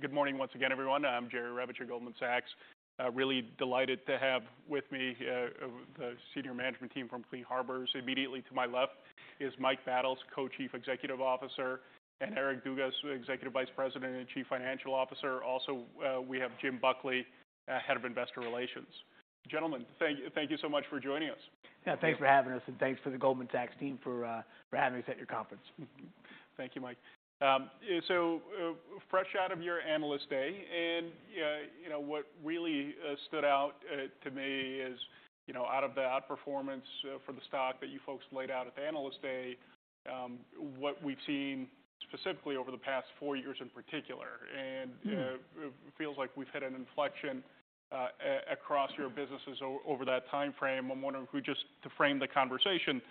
Good morning once again, everyone. I'm Jerry Revich at Goldman Sachs. Really delighted to have with me the senior management team from Clean Harbors. Immediately to my left is Mike Battles, Co-Chief Executive Officer, and Eric Dugas, Executive Vice President and Chief Financial Officer. Also, we have Jim Buckley, Head of Investor Relations. Gentlemen, thank you so much for joining us. Yeah, thanks for having us, and thanks to the Goldman Sachs team for for having us at your conference. Thank you, Mike. Fresh out of your Analyst Day, you know, what really stood out to me is, you know, out of the outperformance for the stock that you folks laid out at the Analyst Day, what we've seen specifically over the past four years in particular. Mm-hmm. It feels like we've hit an inflection, across your businesses over that timeframe. I'm wondering if we just, to frame the conversation,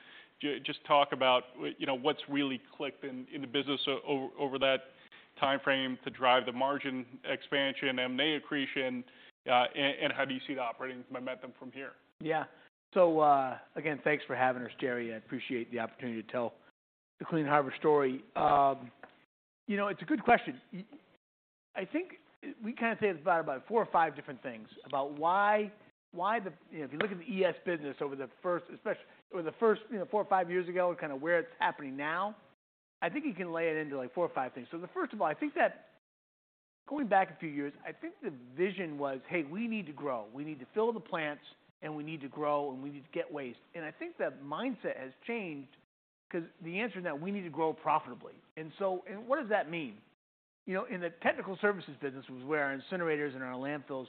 just talk about you know, what's really clicked in the business over that timeframe to drive the margin expansion, M&A accretion, and how do you see the operating momentum from here? Again, thanks for having us, Jerry. I appreciate the opportunity to tell the Clean Harbors story. You know, it's a good question. I think we kind of say it's about four or five different things about why the... You know, if you look at the ES business over the first, you know, four or five years ago and kind of where it's happening now, I think you can lay it into, like, four or five things. The first of all, I think that going back a few years, I think the vision was, "Hey, we need to grow. We need to fill the plants, and we need to grow, and we need to get waste." I think that mindset has changed because the answer now, we need to grow profitably. What does that mean? You know, in the technical services business, which is where our incinerators and our landfills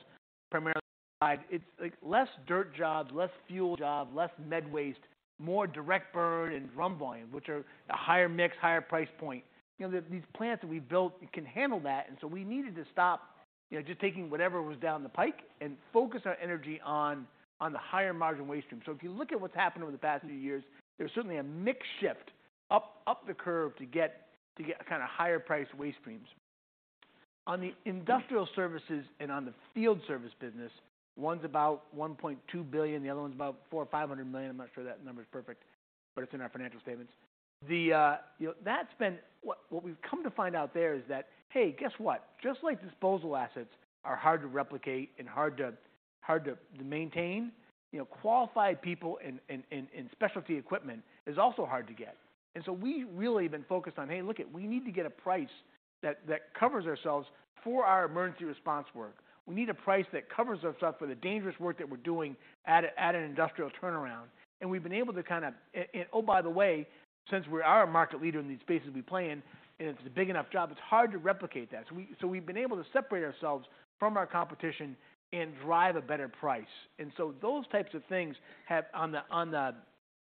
primarily reside, it's, like, less dirt jobs, less fuel jobs, less med waste, more direct burn and drum volume, which are a higher mix, higher price point. You know, these plants that we built can handle that, and we needed to stop, you know, just taking whatever was down the pike and focus our energy on the higher margin waste stream. If you look at what's happened over the past few years, there's certainly a mix shift up the curve to get a kind of higher priced waste streams. On the industrial services and on the field service business, one's about $1.2 billion, the other one's about $400 million or $500 million. I'm not sure that number's perfect, but it's in our financial statements. The, you know, we've come to find out there is that, hey, guess what? Just like disposal assets are hard to replicate and hard to maintain, you know, qualified people and specialty equipment is also hard to get. We really have been focused on, hey, look it, we need to get a price that covers ourselves for our emergency response work. We need a price that covers our stuff for the dangerous work that we're doing at an industrial turnaround. We've been able to. Oh, by the way, since we are a market leader in these spaces we play in, and it's a big enough job, it's hard to replicate that. We've been able to separate ourselves from our competition and drive a better price. Those types of things have on the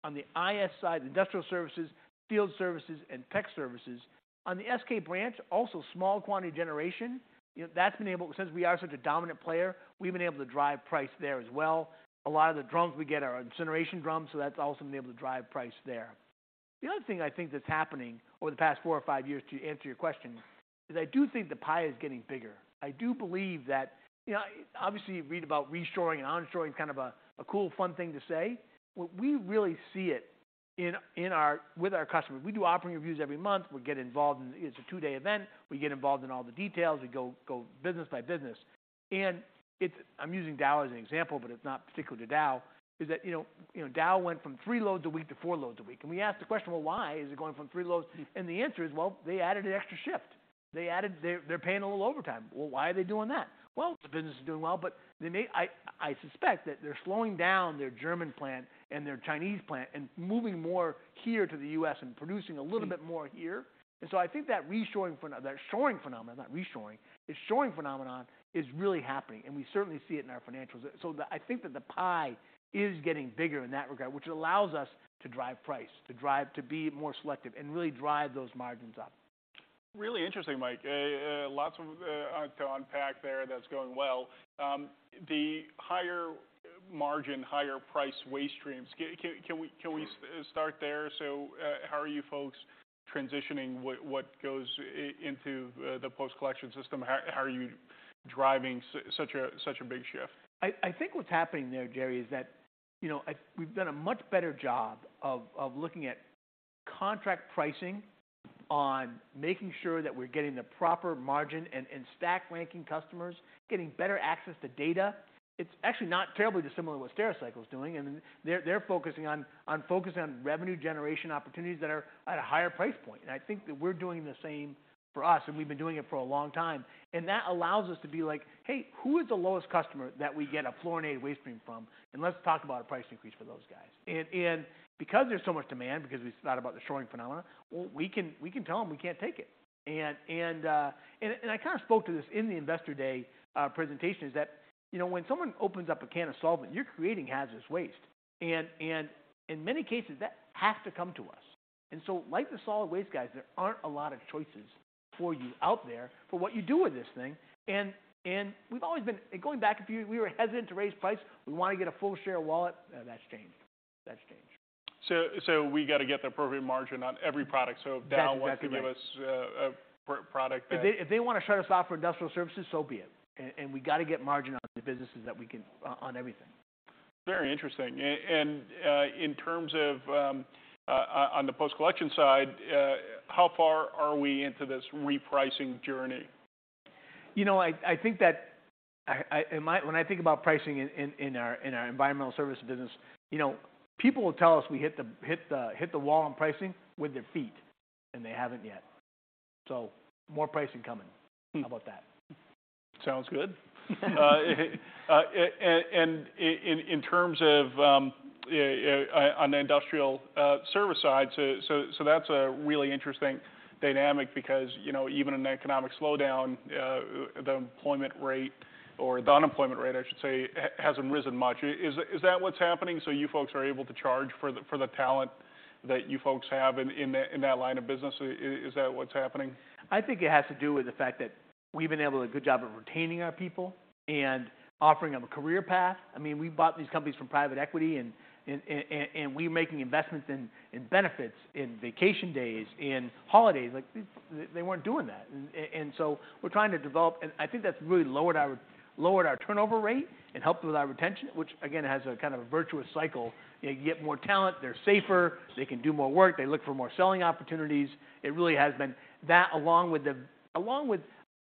IS side, industrial services, field services, and tech services. On the SK branch, also small quantity generation, you know, that's been able. Since we are such a dominant player, we've been able to drive price there as well. A lot of the drums we get are incineration drums, so that's also been able to drive price there. The other thing I think that's happening over the past four or five years, to answer your question, is I do think the pie is getting bigger. I do believe that. You know, obviously, you read about reshoring and onshoring, kind of a cool, fun thing to say. What we really see it in our, with our customers. We do operating reviews every month. We get involved in. It's a two-day event. We get involved in all the details. We go business by business. I'm using Dow as an example, but it's not particular to Dow, is that, you know, Dow went from 3 loads a week to 4 loads a week. We asked the question, "Well, why is it going from 3 loads?" The answer is, well, they added an extra shift. They added. They're paying a little overtime. Well, why are they doing that? The business is doing well, but they may. I suspect that they're slowing down their German plant and their Chinese plant and moving more here to the US and producing a little bit more here. I think that that shoring phenomenon, not reshoring, the shoring phenomenon is really happening, and we certainly see it in our financials. I think that the pie is getting bigger in that regard, which allows us to drive price, to be more selective and really drive those margins up. Really interesting, Mike. Lots of to unpack there that's going well. The higher margin, higher priced waste streams, can we start there? How are you folks transitioning what goes into the post-collection system? How are you driving such a big shift? I think what's happening there, Jerry, is that, you know, we've done a much better job of looking at contract pricing on making sure that we're getting the proper margin and stack ranking customers, getting better access to data. It's actually not terribly dissimilar to what Stericycle's doing, they're focusing on focusing on revenue generation opportunities that are at a higher price point. I think that we're doing the same for us, and we've been doing it for a long time. That allows us to be like, "Hey, who is the lowest customer that we get a fluorinated waste stream from? Let's talk about a price increase for those guys." Because there's so much demand, because we thought about the shoring phenomena, well, we can tell them we can't take it. I kind of spoke to this in the Investor Day presentation, is that, you know, when someone opens up a can of solvent, you're creating hazardous waste. In many cases, that has to come to us. Like the solid waste guys, there aren't a lot of choices for you out there for what you do with this thing. We've always been... Going back a few, we were hesitant to raise prices. We want to get a full share of wallet. That's changed. That's changed. We got to get the appropriate margin on every product. That's it. That's right. If Dow wants to give us a product. If they want to shut us off for industrial services, so be it. We got to get margin on the businesses that we can on everything. Very interesting. In terms of, on the post-collection side, how far are we into this repricing journey? You know, I think that when I think about pricing in our environmental service business, you know, people will tell us we hit the wall on pricing with their feet, and they haven't yet. More pricing coming. Mm. How about that? Sounds good. In terms of, on the industrial service side, so that's a really interesting dynamic because, you know, even in an economic slowdown, the employment rate or the unemployment rate, I should say, hasn't risen much. Is that what's happening, so you folks are able to charge for the talent that you folks have in that line of business? Is that what's happening? I think it has to do with the fact that we've been able to do a good job of retaining our people and offering them a career path. I mean, we bought these companies from private equity and we're making investments in benefits, in vacation days, in holidays. Like, they weren't doing that. We're trying to develop... I think that's really lowered our turnover rate and helped with our retention, which again has a kind of a virtuous cycle. You know, you get more talent, they're safer, they can do more work, they look for more selling opportunities. It really has been that along with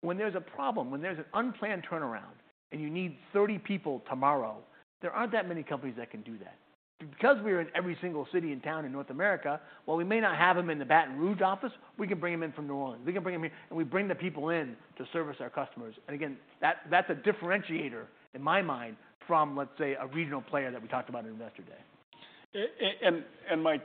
when there's a problem, when there's an unplanned turnaround and you need 30 people tomorrow, there aren't that many companies that can do that. We're in every single city and town in North America, while we may not have them in the Baton Rouge office, we can bring them in from New Orleans. We can bring them in, and we bring the people in to service our customers. Again, that's a differentiator in my mind from, let's say, a regional player that we talked about at Investor Day. Mike,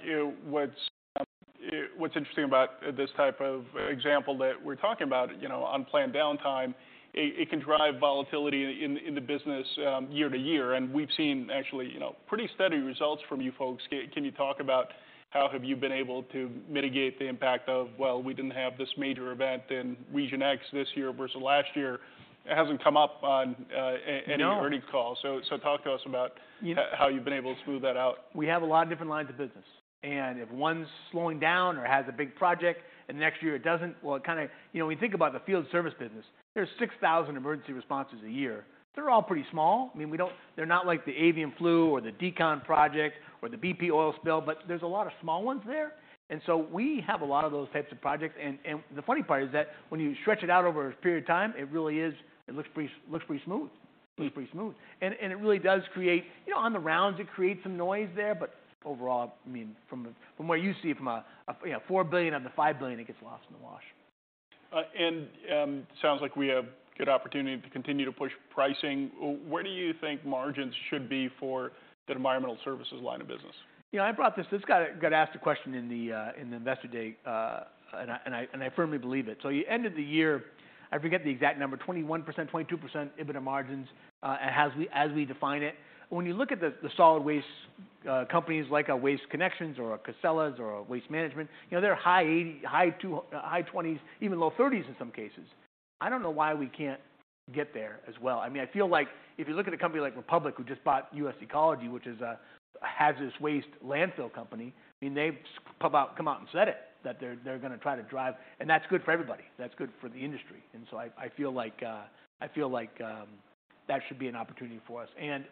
what's interesting about this type of example that we're talking about, you know, unplanned downtime, it can drive volatility in the business year to year. We've seen actually, you know, pretty steady results from you folks. Can you talk about how have you been able to mitigate the impact of, well, we didn't have this major event in region X this year versus last year? It hasn't come up on any-. No... earnings call. Talk to us. You know. how you've been able to smooth that out. We have a lot of different lines of business, and if one's slowing down or has a big project and the next year it doesn't, well, it kind of, you know, when you think about the field service business, there's 6,000 emergency responses a year. They're all pretty small. I mean, they're not like the avian flu or the decon project or the BP oil spill, but there's a lot of small ones there. We have a lot of those types of projects. The funny part is that when you stretch it out over a period of time, it really is. It looks pretty smooth. It looks pretty smooth. It really does create. You know, on the rounds, it creates some noise there. Overall, I mean, from what you see from a, you know, $4 billion on the $5 billion, it gets lost in the wash. Sounds like we have good opportunity to continue to push pricing. Where do you think margins should be for the Environmental Services line of business? You know, I brought this got asked a question in the Investor Day, and I firmly believe it. You ended the year, I forget the exact number, 21%, 22% EBITDA margins, as we define it. When you look at the solid waste companies like a Waste Connections or a Casella or a Waste Management, you know, they're high eighty, high twenties, even low thirties in some cases. I don't know why we can't get there as well. I mean, I feel like if you look at a company like Republic who just bought US Ecology, which is a hazardous waste landfill company, I mean, they're gonna try to drive... That's good for everybody. That's good for the industry. I feel like that should be an opportunity for us. And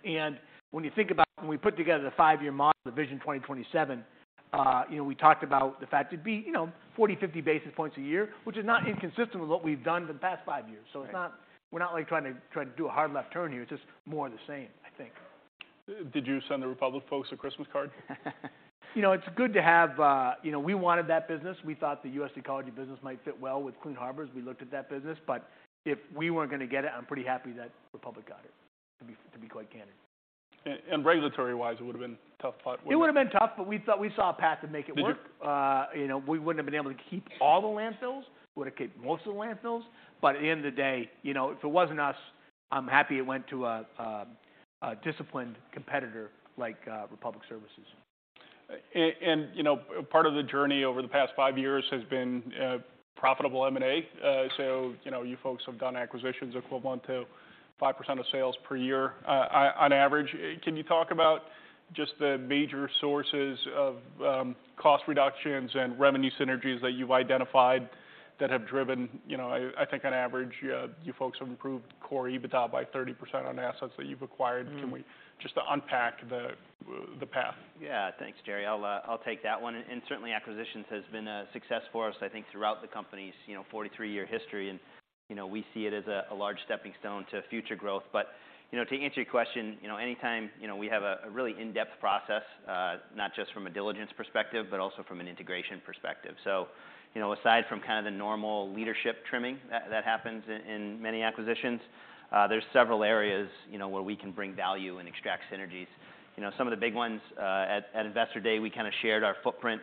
when you think about when we put together the five-year model, the Vision 2027, you know, we talked about the fact it'd be, you know, 40, 50 basis points a year, which is not inconsistent with what we've done for the past 5 years. Right. We're not like trying to do a hard left turn here. It's just more the same, I think. Did you send the Republic folks a Christmas card? You know, it's good to have. You know, we wanted that business. We thought the US Ecology business might fit well with Clean Harbors. We looked at that business. If we weren't gonna get it, I'm pretty happy that Republic got it, to be quite candid. Regulatory wise, it would have been tough, but. It would have been tough, but we thought we saw a path to make it work. Did you- you know, we wouldn't have been able to keep all the landfills. We would've kept most of the landfills. At the end of the day, you know, if it wasn't us, I'm happy it went to a disciplined competitor like Republic Services. You know, part of the journey over the past five years has been profitable M&A. You know, you folks have done acquisitions equivalent to 5% of sales per year on average. Can you talk about just the major sources of cost reductions and revenue synergies that you've identified that have driven, you know, I think on average, you folks have improved core EBITDA by 30% on assets that you've acquired? Mm. Can we just unpack the path? Yeah. Thanks, Jerry. I'll take that one. Certainly acquisitions has been a success for us, I think, throughout the company's, you know, 43-year history. You know, we see it as a large stepping stone to future growth. You know, to answer your question, you know, anytime, you know, we have a really in-depth process, not just from a diligence perspective, but also from an integration perspective. You know, aside from kind of the normal leadership trimming that happens in many acquisitions, there's several areas, you know, where we can bring value and extract synergies. You know, some of the big ones, at Investor Day, we kinda shared our footprint,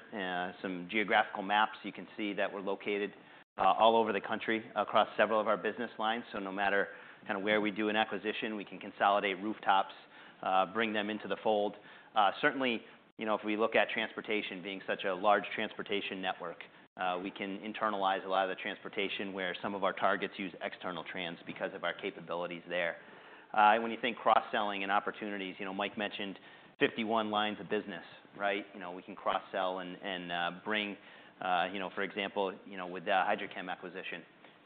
some geographical maps. You can see that we're located all over the country across several of our business lines. No matter kinda where we do an acquisition, we can consolidate rooftops, bring them into the fold. Certainly, you know, if we look at transportation, being such a large transportation network, we can internalize a lot of the transportation where some of our targets use external trans because of our capabilities there. When you think cross-selling and opportunities, you know, Mike mentioned 51 lines of business, right? You know, we can cross-sell and bring. For example, you know, with the HydroChemPSC acquisition,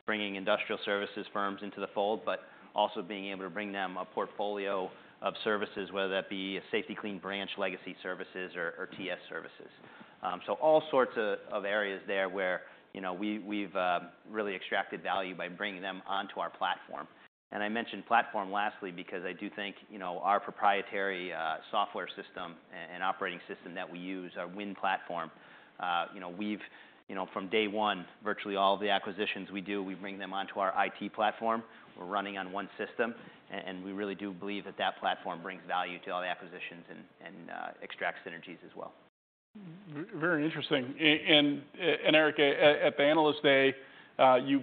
bringing industrial services firms into the fold, but also being able to bring them a portfolio of services, whether that be a Safety-Kleen branch legacy services or TS services. All sorts of areas there where, you know, we've really extracted value by bringing them onto our platform. I mentioned platform lastly because I do think, you know, our proprietary software system and operating system that we use, our WIN platform, you know, from day one, virtually all of the acquisitions we do, we bring them onto our IT platform. We're running on one system. We really do believe that that platform brings value to all the acquisitions and extracts synergies as well. Very interesting. Eric, at the Analyst Day, you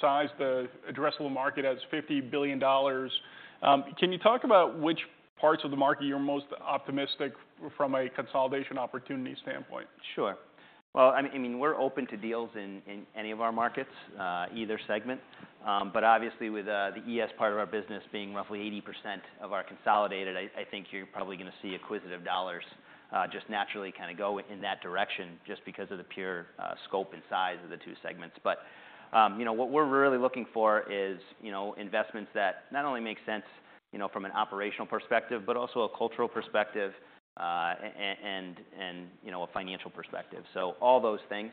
sized the addressable market as $50 billion. Can you talk about which parts of the market you're most optimistic from a consolidation opportunity standpoint? Sure. Well, I mean, we're open to deals in any of our markets, either segment. Obviously with the ES part of our business being roughly 80% of our consolidated, I think you're probably gonna see acquisitive dollars just naturally kinda go in that direction just because of the pure scope and size of the two segments. You know, what we're really looking for is, you know, investments that not only make sense, you know, from an operational perspective, but also a cultural perspective, and, you know, a financial perspective. All those things.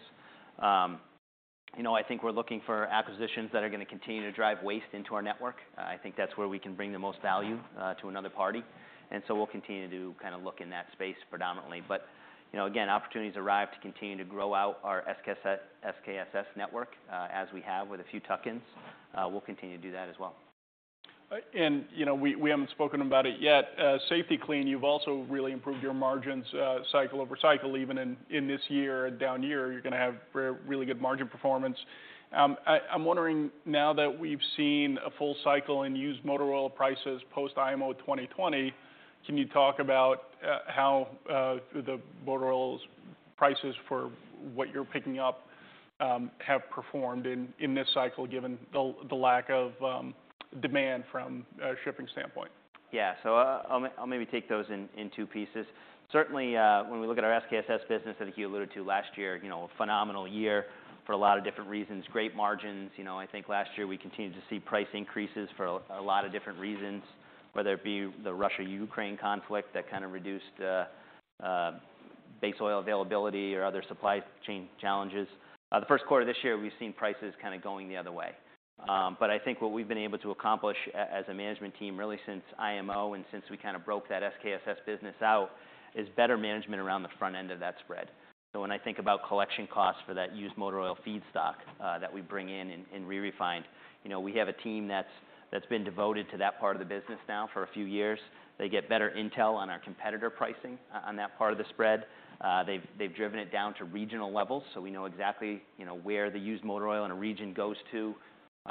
You know, I think we're looking for acquisitions that are gonna continue to drive waste into our network. I think that's where we can bring the most value to another party. We'll continue to kind of look in that space predominantly. You know, again, opportunities arrive to continue to grow out our SKSS network, as we have with a few tuck-ins. We'll continue to do that as well. You know, we haven't spoken about it yet. Safety-Kleen, you've also really improved your margins, cycle over cycle, even in this year, a down year, you're gonna have very good margin performance. I'm wondering now that we've seen a full cycle in used motor oil prices post IMO 2020, can you talk about how the motor oils prices for what you're picking up have performed in this cycle given the lack of demand from a shipping standpoint? I'll maybe take those in 2 pieces. Certainly, when we look at our SKSS business that you alluded to last year, you know, phenomenal year for a lot of different reasons. Great margins. You know, I think last year we continued to see price increases for a lot of different reasons, whether it be the Russia-Ukraine conflict that kind of reduced base oil availability or other supply chain challenges. The first quarter of this year, we've seen prices kind of going the other way. I think what we've been able to accomplish as a management team, really since IMO and since we kind of broke that SKSS business out, is better management around the front end of that spread. When I think about collection costs for that used motor oil feedstock, that we bring in re-refined, you know, we have a team that's been devoted to that part of the business now for a few years. They get better intel on our competitor pricing on that part of the spread. They've, they've driven it down to regional levels, so we know exactly, you know, where the used motor oil in a region goes to,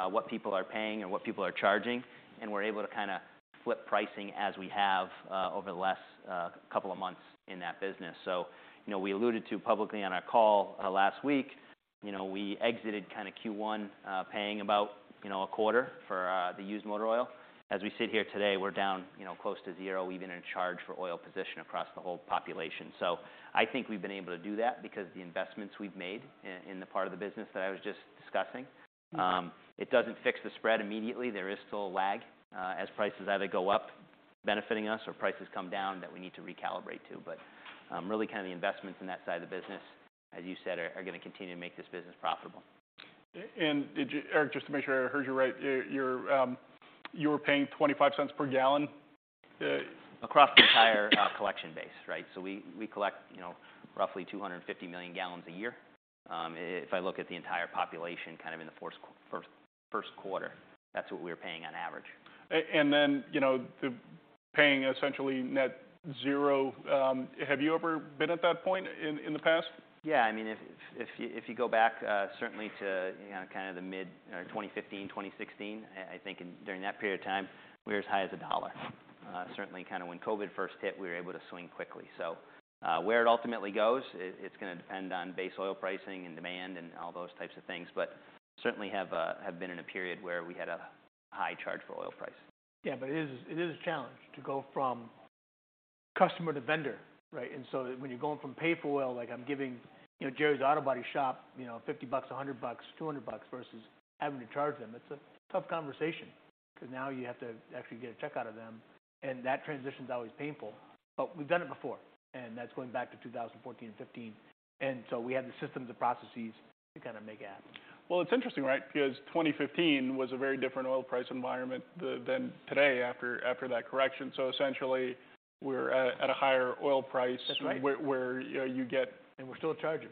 what people are paying and what people are charging, and we're able to kinda flip pricing as we have, over the last, couple of months in that business. You know, we alluded to publicly on our call, last week, you know, we exited kinda Q1, paying about, you know, a quarter for, the used motor oil. As we sit here today, we're down, you know, close to zero. Even in charge for oil position across the whole population. I think we've been able to do that because the investments we've made in the part of the business that I was just discussing. It doesn't fix the spread immediately. There is still a lag, as prices either go up, benefiting us, or prices come down that we need to recalibrate to. Really kinda the investments in that side of the business, as you said, are gonna continue to make this business profitable. Did you... Eric, just to make sure I heard you right. You're, you were paying $0.25 per gallon. Across the entire collection base, right? We collect, you know, roughly 250 million gallons a year. If I look at the entire population, kind of in the first quarter, that's what we were paying on average. you know, the paying essentially net zero, have you ever been at that point in the past? Yeah. I mean, if you go back, certainly to, you know, kind of the mid, you know, 2015, 2016, I think in during that period of time, we were as high as $1. certainly kinda when COVID first hit, we were able to swing quickly. Where it ultimately goes, it's gonna depend on base oil pricing and demand and all those types of things. certainly have been in a period where we had a high charge for oil price. Yeah. It is, it is a challenge to go from customer to vendor, right? When you're going from pay for oil, like I'm giving, you know, Jerry's Auto Body Shop, you know, $50, $100, $200, versus having to charge them, it's a tough conversation, 'cause now you have to actually get a check out of them, and that transition's always painful. We've done it before, and that's going back to 2014 and 2015. We had the systems and processes to kind of make it happen. Well, it's interesting, right? 2015 was a very different oil price environment than today after that correction. Essentially, we're at a higher oil price... That's right.... where, you know... We're still charging.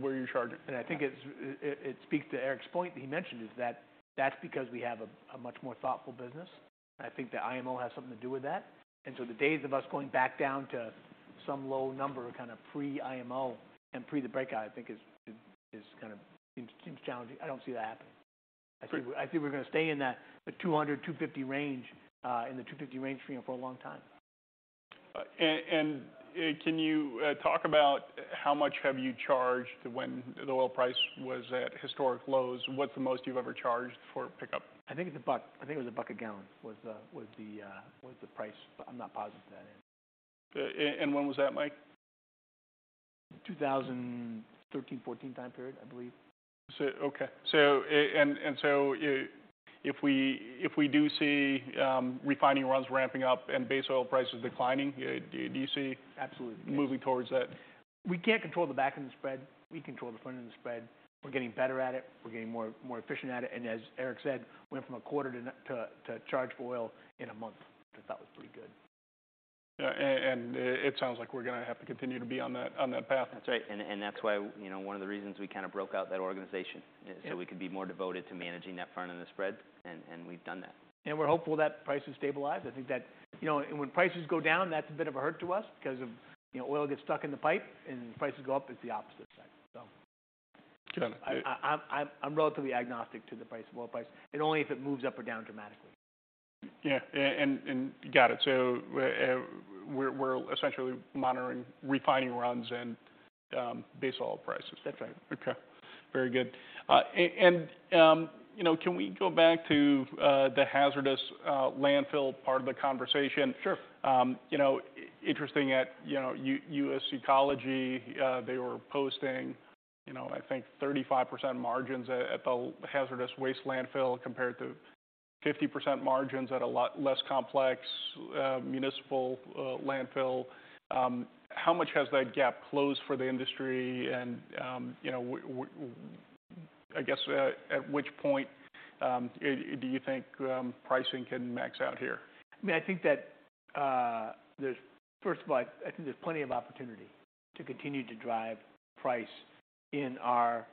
Where you're charging. I think it's, it speaks to Eric's point that he mentioned, is that that's because we have a much more thoughtful business. I think the IMO has something to do with that. The days of us going back down to some low number, kind of pre-IMO and pre the breakout, I think is kind of seems challenging. I don't see that happening. I think we're gonna stay in that 200-250 range, in the 250 range for, you know, for a long time. How much have you charged when the oil price was at historic lows? What's the most you've ever charged for pickup? I think it's a buck. I think it was a buck a gallon was the, was the price, but I'm not positive to that end. When was that, Mike? 2013, 14 time period, I believe. Okay. And so if we, if we do see, refining runs ramping up and base oil prices declining, do you see- Absolutely... moving towards that? We can't control the back of the spread. We control the front of the spread. We're getting better at it. We're getting more efficient at it. As Eric said, went from a quarter to charge oil in a month. I thought that was pretty good. Yeah. It sounds like we're gonna have to continue to be on that, on that path. That's right. That's why, you know, one of the reasons we kind of broke out that organization- Yeah is so we could be more devoted to managing that front end of the spread. We've done that. We're hopeful that price will stabilize. I think that. You know, when prices go down, that's a bit of a hurt to us 'cause of, you know, oil gets stuck in the pipe, and prices go up, it's the opposite effect, so. Got it. Yeah. I'm relatively agnostic to the price of oil, only if it moves up or down dramatically. Yeah. Got it. We're essentially monitoring refining runs and, base oil prices. That's right. Okay. Very good. You know, can we go back to the hazardous landfill part of the conversation? Sure. You know, interesting at, you know, US Ecology, they were posting, you know, I think 35% margins at the hazardous waste landfill compared to 50% margins at a lot less complex municipal landfill. How much has that gap closed for the industry? You know, I guess at which point do you think pricing can max out here? I mean, I think that, there's First of all, I think there's plenty of opportunity to continue to drive price in our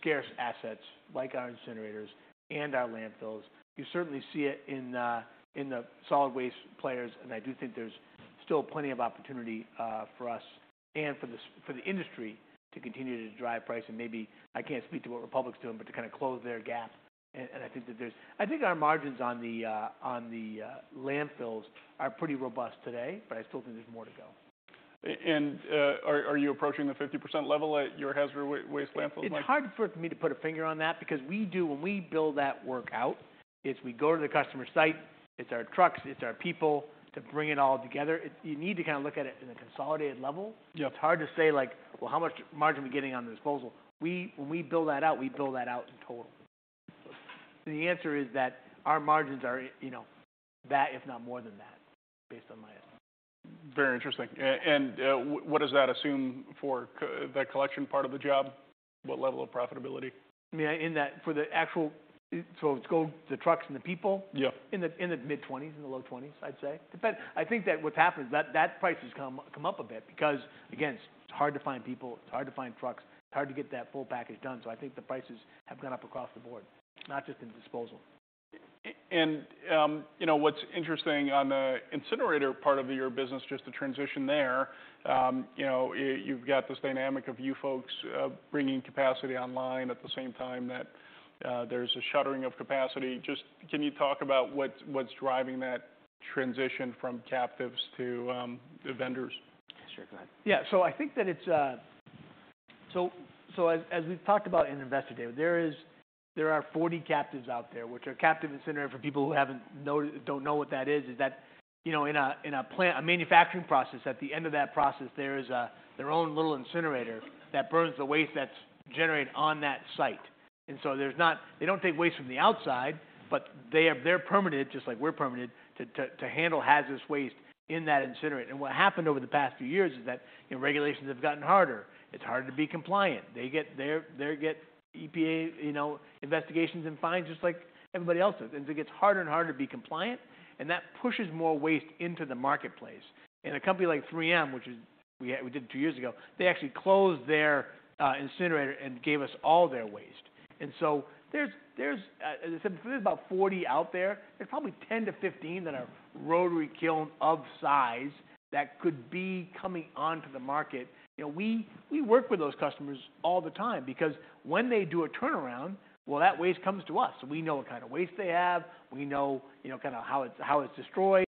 scarce assets like our incinerators and our landfills. You certainly see it in the solid waste players, and I do think there's still plenty of opportunity for us and for the industry to continue to drive price, and maybe I can't speak to what Republic's doing, but to kind of close their gap. I think that there's I think our margins on the landfills are pretty robust today, but I still think there's more to go. Are you approaching the 50% level at your hazardous waste landfills, Mike? It's hard for me to put a finger on that because when we build that work out, is we go to the customer site, it's our trucks, it's our people to bring it all together. You need to kind of look at it in a consolidated level. Yeah. It's hard to say like, "Well, how much margin are we getting on the disposal?" We, when we build that out, we build that out in total. The answer is that our margins are, you know, that, if not more than that, based on. Very interesting. What does that assume for the collection part of the job? What level of profitability? I mean, it's go the trucks and the people. Yeah... in the, in the mid-20s, in the low 20s, I'd say. Depends. I think that what's happened is that that price has come up a bit because, again, it's hard to find people, it's hard to find trucks. It's hard to get that full package done. I think the prices have gone up across the board, not just in disposal. You know, what's interesting on the incinerator part of your business, just to transition there, you know, you've got this dynamic of you folks bringing capacity online at the same time that there's a shuttering of capacity. Just can you talk about what's driving that transition from captives to the vendors? Sure. Go ahead. Yeah. I think that it's as we've talked about in Investor Day, there are 40 captives out there, which are captive incinerator for people who don't know what that is that, you know, in a, in a plant, a manufacturing process, at the end of that process, there is a, their own little incinerator that burns the waste that's generated on that site. They don't take waste from the outside, they're permitted, just like we're permitted, to handle hazardous waste in that incinerator. What happened over the past few years is that, you know, regulations have gotten harder. It's harder to be compliant. They get EPA, you know, investigations and fines just like everybody else's. It gets harder and harder to be compliant, and that pushes more waste into the marketplace. A company like 3M, which we did 2 years ago, they actually closed their incinerator and gave us all their waste. There's, as I said, there's about 40 out there. There's probably 10 to 15 that are rotary kiln of size that could be coming onto the market. You know, we work with those customers all the time because when they do a turnaround, well, that waste comes to us. We know what kind of waste they have. We know, you know, kind of how it's destroyed.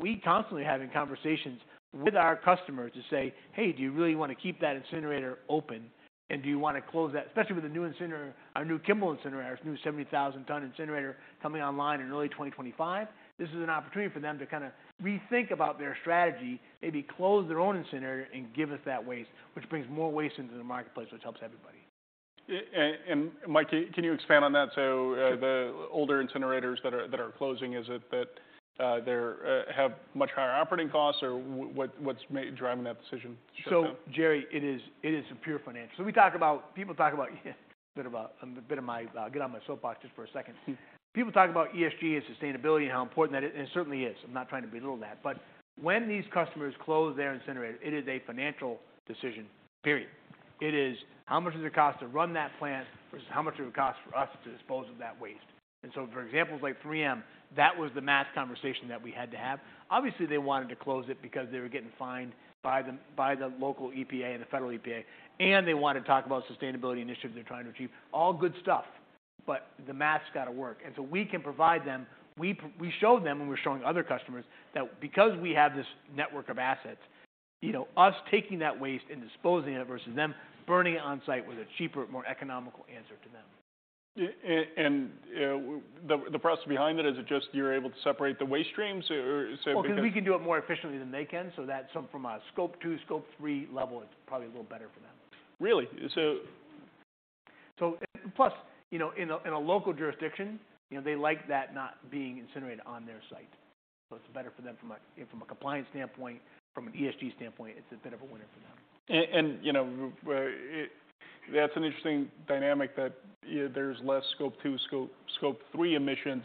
We constantly having conversations with our customers to say, "Hey, do you really wanna keep that incinerator open? Do you wanna close that? Especially with the new incinerator, our new Kimball incinerator, it's a new 70,000-ton incinerator coming online in early 2025. This is an opportunity for them to kind of rethink about their strategy, maybe close their own incinerator and give us that waste, which brings more waste into the marketplace, which helps everybody. Mike, can you expand on that? The older incinerators that are closing, is it that, they're, have much higher operating costs, or what's driving that decision to shut down? Jerry, it is a pure financial. We talk about people talk about bit of a bit of my get on my soapbox just for a second. People talk about ESG and sustainability and how important that is, and it certainly is. I'm not trying to belittle that. When these customers close their incinerator, it is a financial decision. Period. It is how much does it cost to run that plant versus how much it would cost for us to dispose of that waste. For examples like 3M, that was the mass conversation that we had to have. Obviously, they wanted to close it because they were getting fined by the local EPA and the federal EPA, and they wanted to talk about sustainability initiatives they're trying to achieve. All good stuff. The math's gotta work. We showed them, and we're showing other customers that because we have this network of assets, you know, us taking that waste and disposing it versus them burning it on-site was a cheaper, more economical answer to them. The process behind it, is it just you're able to separate the waste streams or? Because we can do it more efficiently than they can, so that's from a Scope 2, Scope 3 level, it's probably a little better for them. Really? Plus, you know, in a local jurisdiction, you know, they like that not being incinerated on their site. It's better for them from a compliance standpoint, from an ESG standpoint, it's a bit of a winner for them. You know, that's an interesting dynamic that, you know, there's less Scope 2, Scope 3 emissions,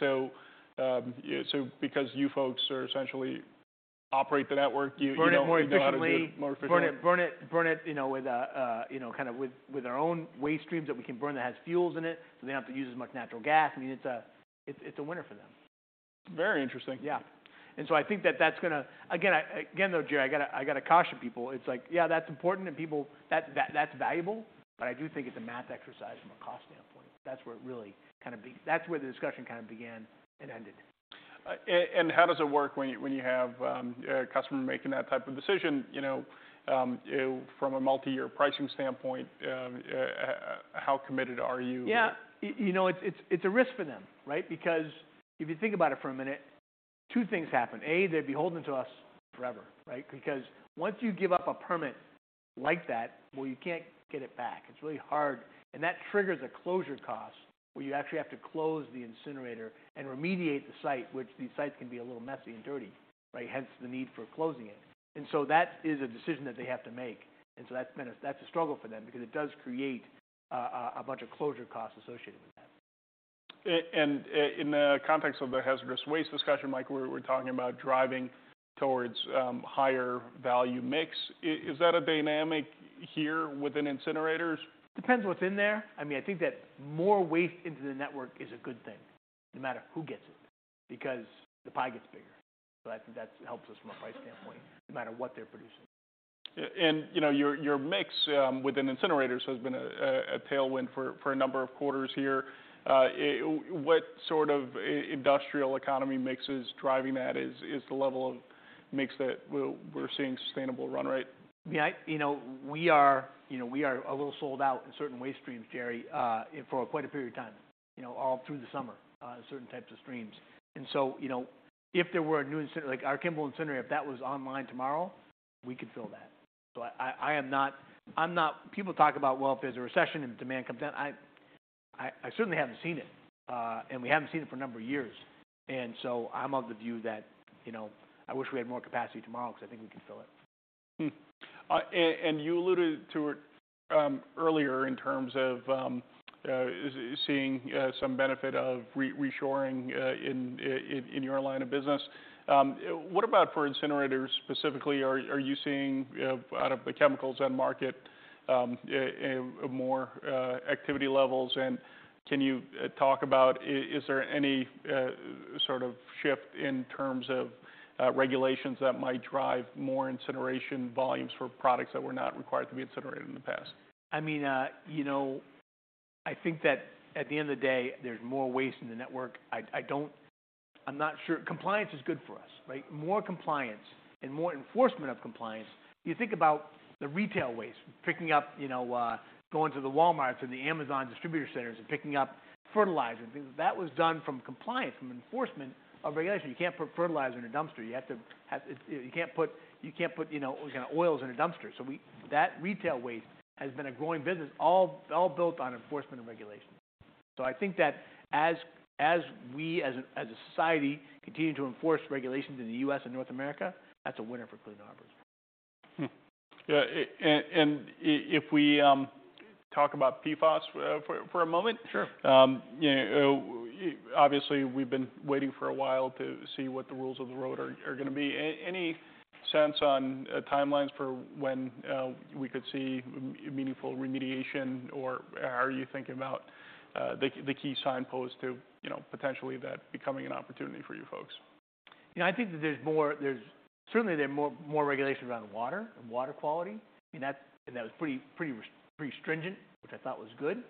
so, yeah, so because you folks are essentially operate the network, you know how to do it more efficiently. Burn it more efficiently. Burn it, burn it, burn it, you know, with a, you know, kind of with our own waste streams that we can burn that has fuels in it, so they don't have to use as much natural gas. I mean, it's a winner for them. Very interesting. Yeah. I think that that's gonna. Again, though, Jerry, I gotta caution people. It's like, yeah, that's important and people that's valuable, but I do think it's a math exercise from a cost standpoint. That's where it really kind of that's where the discussion kind of began and ended. How does it work when you have a customer making that type of decision, you know, from a multi-year pricing standpoint, how committed are you? You know, it's a risk for them, right? Because if you think about it for a minute, two things happen. A. They're beholden to us forever, right? Because once you give up a permit like that, well, you can't get it back. It's really hard. That triggers a closure cost, where you actually have to close the incinerator and remediate the site, which these sites can be a little messy and dirty, right? Hence, the need for closing it. That is a decision that they have to make. That's a struggle for them because it does create a bunch of closure costs associated with that. In the context of the hazardous waste discussion, Mike, we're talking about driving towards higher value mix. Is that a dynamic here within incinerators? Depends what's in there. I mean, I think that more waste into the network is a good thing no matter who gets it, because the pie gets bigger. I think that helps us from a price standpoint, no matter what they're producing. You know, your mix, within incinerators has been a tailwind for a number of quarters here. What sort of industrial economy mix is driving that? Is the level of mix that we're seeing sustainable run rate? Yeah, you know, we are, you know, we are a little sold out in certain waste streams, Jerry, for quite a period of time, you know, all through the summer, certain types of streams. You know, if there were a new like our Kimball Incinerator, if that was online tomorrow, we could fill that. I'm not. People talk about, well, if there's a recession and demand comes down, I certainly haven't seen it, and we haven't seen it for a number of years. I'm of the view that, you know, I wish we had more capacity tomorrow because I think we can fill it. And you alluded to it earlier in terms of seeing some benefit of reshoring in your line of business. What about for incinerators specifically, are you seeing out of the chemicals end market a more activity levels? Can you talk about is there any sort of shift in terms of regulations that might drive more incineration volumes for products that were not required to be incinerated in the past? I mean, you know, I think that at the end of the day, there's more waste in the network. I don't. I'm not sure. Compliance is good for us, right? More compliance and more enforcement of compliance. You think about the retail waste, picking up, you know, going to the Walmarts and the Amazon distributor centers and picking up fertilizer and things. That was done from compliance, from enforcement of regulation. You can't put fertilizer in a dumpster. You have to have. It's. You can't put, you know, kind of oils in a dumpster. That retail waste has been a growing business all built on enforcement and regulation. I think that as we as a, as a society continue to enforce regulations in the U.S. and North America, that's a winner for Clean Harbors. Hmm. Yeah. If we talk about PFAS for a moment. Sure. You know, obviously, we've been waiting for a while to see what the rules of the road are gonna be. Any sense on timelines for when we could see meaningful remediation, or how are you thinking about the key signposts to, you know, potentially that becoming an opportunity for you folks? You know, I think that there's more, there's certainly more regulations around water and water quality, and that, and that was pretty stringent, which I thought was good.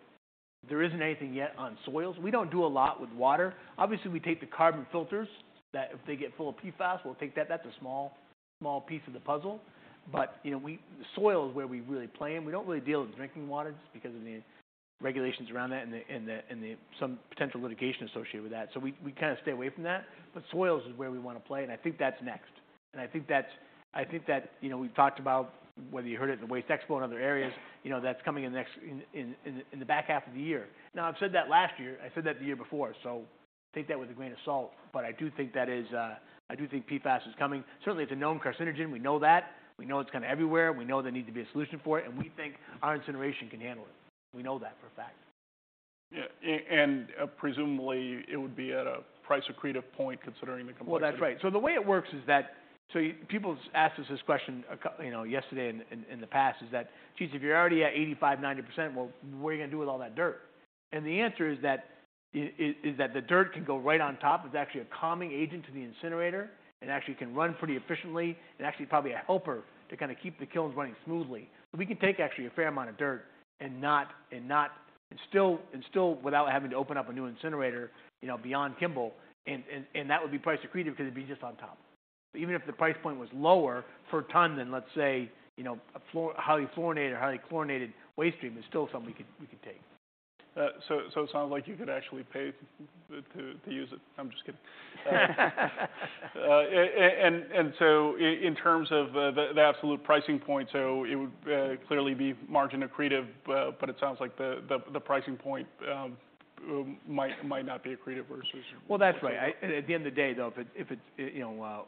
There isn't anything yet on soils. We don't do a lot with water. Obviously, we take the carbon filters that if they get full of PFAS, we'll take that. That's a small piece of the puzzle. You know, we, the soil is where we really play, and we don't really deal with drinking water just because of the regulations around that and the potential litigation associated with that. We, we kinda stay away from that. Soils is where we wanna play, and I think that's next. I think that, you know, we've talked about whether you heard it in the WasteExpo and other areas, you know, that's coming in the back half of the year. I've said that last year, I said that the year before, so take that with a grain of salt. I do think that is, I do think PFAS is coming. Certainly, it's a known carcinogen. We know that. We know it's kind of everywhere. We know there need to be a solution for it, and we think our incineration can handle it. We know that for a fact. Yeah. Presumably, it would be at a price accretive point considering the competition. Well, that's right. The way it works is that people's asked us this question, you know, yesterday and in the past, is that, geez, if you're already at 85%, 90%, well, what are you gonna do with all that dirt? The answer is that the dirt can go right on top. It's actually a calming agent to the incinerator. It actually can run pretty efficiently, and actually probably a helper to kinda keep the kilns running smoothly. We can take actually a fair amount of dirt and not... and still without having to open up a new incinerator, you know, beyond Kimball, and that would be price accretive because it'd be just on top. even if the price point was lower for a ton than, let's say, you know, a highly fluorinated or highly chlorinated waste stream, it's still something we could take. It sounds like you could actually pay to use it. I'm just kidding. In terms of the absolute pricing point, so it would clearly be margin accretive. It sounds like the pricing point might not be accretive versus- Well, that's right. At the end of the day, though, if it's, you know,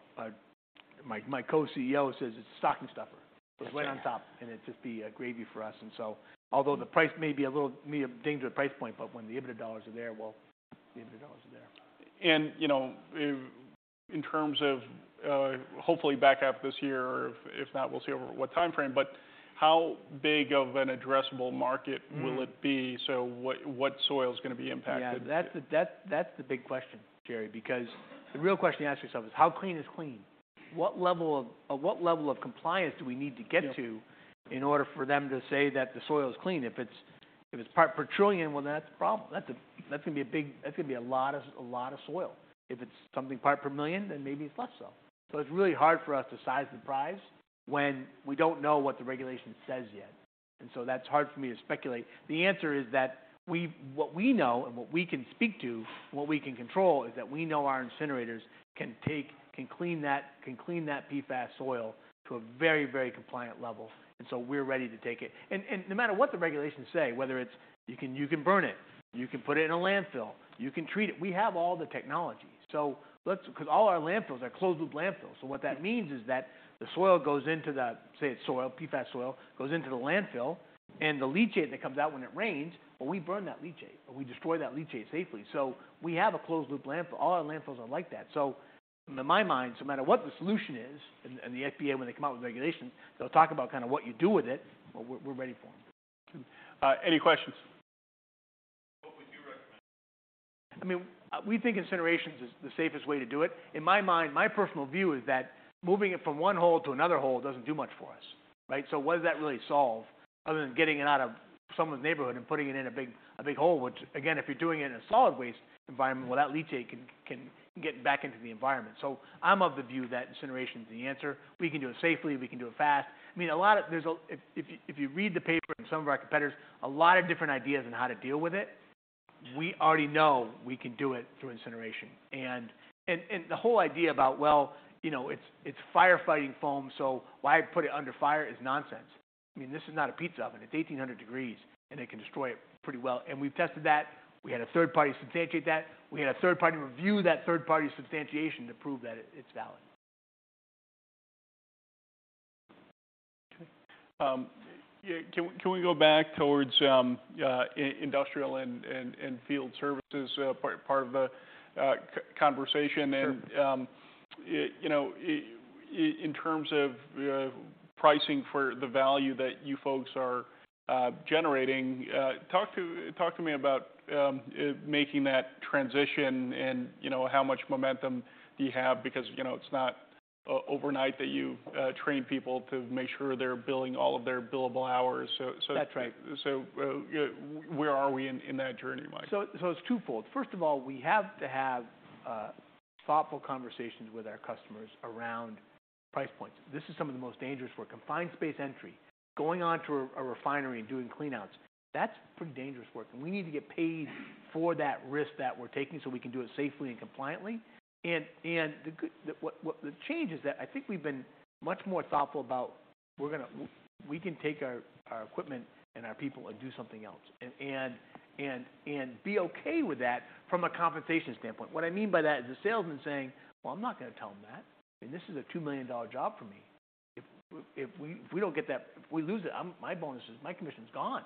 my Co-CEO says it's a stocking stuffer. Right. It's right on top, and it'd just be gravy for us. Although the price may be a little, may danger the price point, but when the EBITDA dollars are there, well, the EBITDA dollars are there. You know, if, in terms of, hopefully back half of this year, or if not, we'll see over what timeframe, but how big of an addressable market? Mm. -will it be? What soil is gonna be impacted? Yeah. That's the big question, Jerry, because the real question you ask yourself is, how clean is clean? What level of compliance do we need to get to. Yeah. In order for them to say that the soil is clean? If it's part per trillion, well, then that's a problem. That's gonna be a big, that's gonna be a lot of soil. If it's something part per million, then maybe it's less so. It's really hard for us to size the prize when we don't know what the regulation says yet. That's hard for me to speculate. The answer is that what we know and what we can speak to, what we can control, is that we know our incinerators can clean that PFAS soil to a very, very compliant level. We're ready to take it. No matter what the regulations say, whether it's you can burn it, you can put it in a landfill, you can treat it, we have all the technology. All our landfills are closed-loop landfills. What that means is that the soil goes into, say it's soil, PFAS soil, goes into the landfill, and the leachate that comes out when it rains, well, we burn that leachate, or we destroy that leachate safely. We have a closed-loop landfill. All our landfills are like that. In my mind, no matter what the solution is, and the EPA, when they come out with regulation, they'll talk about kinda what you do with it, but we're ready for them. Any questions? What would you recommend? I mean, we think incineration is the safest way to do it. In my mind, my personal view is that moving it from one hole to another hole doesn't do much for us, right? What does that really solve other than getting it out of someone's neighborhood and putting it in a big hole? Which again, if you're doing it in a solid waste environment, well, that leachate can get back into the environment. I'm of the view that incineration's the answer. We can do it safely. We can do it fast. I mean, if you read the paper on some of our competitors, a lot of different ideas on how to deal with it. We already know we can do it through incineration. The whole idea about, well, you know, it's firefighting foam, so why put it under fire is nonsense. I mean, this is not a pizza oven. It's 1,800 degrees, and it can destroy it pretty well. We've tested that. We had a third party substantiate that. We had a third party review that third party substantiation to prove that it's valid. Okay. Yeah, can we go back towards industrial and field services part of the conversation? Sure. It, you know, in terms of pricing for the value that you folks are generating, talk to me about making that transition and, you know, how much momentum do you have? Because, you know, it's not overnight that you train people to make sure they're billing all of their billable hours. That's right. where are we in that journey, Mike? It's twofold. First of all, we have to have thoughtful conversations with our customers around price points. This is some of the most dangerous work. Confined space entry, going onto a refinery and doing clean outs, that's pretty dangerous work, and we need to get paid for that risk that we're taking so we can do it safely and compliantly. The good, what the change is that I think we've been much more thoughtful about, we're gonna take our equipment and our people and do something else and be okay with that from a compensation standpoint. What I mean by that is the salesman saying, "Well, I'm not gonna tell them that. I mean, this is a $2 million job for me. If we don't get that, if we lose it, my bonus is, my commission's gone."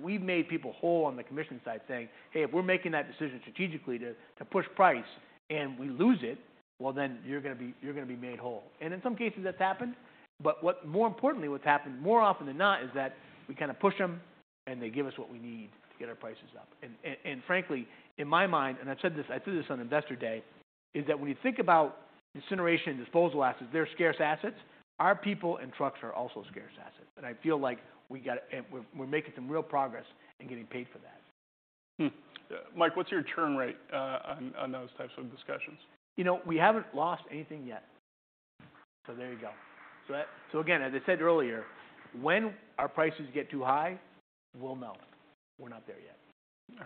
We've made people whole on the commission side saying, "Hey, if we're making that decision strategically to push price and we lose it, well then you're gonna be made whole." In some cases that's happened, but more importantly, what's happened more often than not is that we kinda push them, they give us what we need to get our prices up. Frankly, in my mind, I've said this on Investor Day, is that when you think about incineration and disposal assets, they're scarce assets. Our people and trucks are also scarce assets, and I feel like we gotta... we're making some real progress in getting paid for that. Mike, what's your churn rate on those types of discussions? You know, we haven't lost anything yet. There you go. Again, as I said earlier, when our prices get too high, we'll melt. We're not there yet.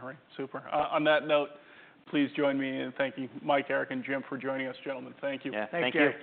All right. Super. On that note, please join me in thanking Mike, Eric, and Jim for joining us. Gentlemen, thank you. Yeah. Thank you.